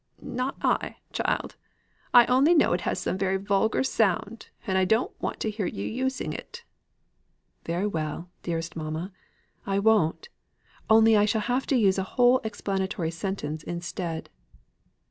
"Not I, child. I only know it has a very vulgar sound; and I don't want to hear you using it." "Very well, dearest mother, I won't. Only I shall have to use a whole explanatory sentence instead."